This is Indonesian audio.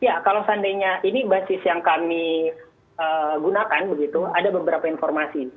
ya kalau seandainya ini basis yang kami gunakan begitu ada beberapa informasi